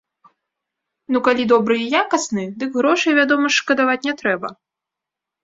Ну, калі добры і якасны, дык грошай, вядома ж, шкадаваць не трэба.